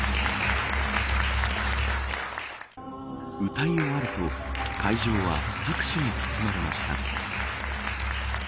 歌い終わると会場は拍手に包まれました。